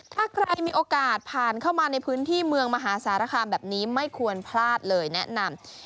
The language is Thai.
ถ้าใครมีโอกาสผ่านเข้ามาในพื้นที่เมืองมหาสารคามแบบนี้ไม่ควรพลาดเลยแนะนำ